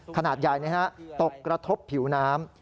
ขนาดใหญ่ตกกระทบผิวน้ำ